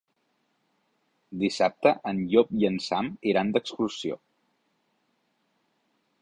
Dissabte en Llop i en Sam iran d'excursió.